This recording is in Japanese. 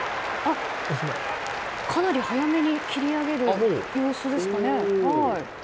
かなり早めに切り上げる様子ですかね。